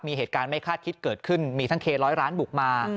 มีเหตุการณ์ไม่คาดคิดเกิดขึ้นมีทั้งเคร้อยล้านบุกมา